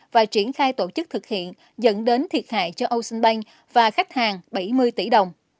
và triển khai tổ chức thực hiện dẫn đến thiệt hại cho ocean bank và khách hàng bảy mươi tỷ đồng